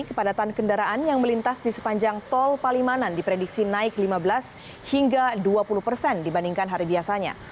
kepadatan kendaraan yang melintas di sepanjang tol palimanan diprediksi naik lima belas hingga dua puluh persen dibandingkan hari biasanya